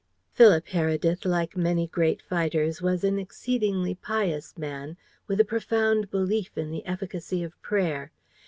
Philip Heredith, like many other great fighters, was an exceedingly pious man, with a profound belief in the efficacy of prayer.